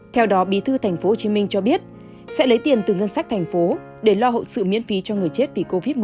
theo đó bí thư tp hcm cho biết sẽ lấy tiền từ ngân sách thành phố để lo hậu sự miễn phí cho người chết vì covid một mươi chín